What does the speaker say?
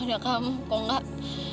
ada kamu kok enggak